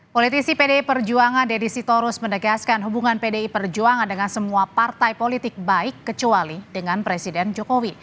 politisi pdi perjuangan deddy sitorus menegaskan hubungan pdi perjuangan dengan semua partai politik baik kecuali dengan presiden jokowi